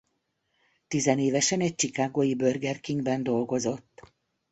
Tizenévesen egy chicagói Burger King-ben dolgozott.